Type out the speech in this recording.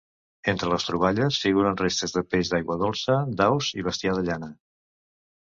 Entre les troballes, figuren restes de peix d'aigua dolça, d'aus i bestiar de llana.